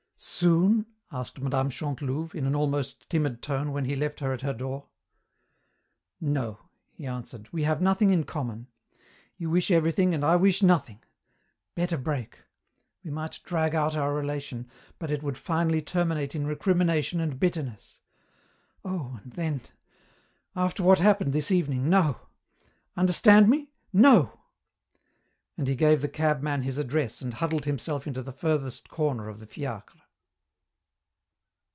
"Soon?" asked Mme. Chantelouve, in an almost timid tone when he left her at her door. "No," he answered. "We have nothing in common. You wish everything and I wish nothing. Better break. We might drag out our relation, but it would finally terminate in recrimination and bitterness. Oh, and then after what happened this evening, no! Understand me? No!" And he gave the cabman his address and huddled himself into the furthest corner of the fiacre.